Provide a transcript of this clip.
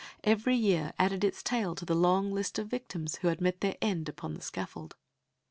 Every year added its tale to the long list of victims who had met their end upon the scaffold.